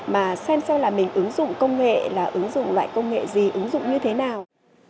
mà xem xem là mình ứng dụng công nghệ là ứng dụng loại công nghệ gì ứng dụng như thế nào